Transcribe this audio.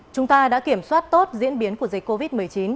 chúng ta đã kiểm soát tốt diễn biến của dịch covid một mươi chín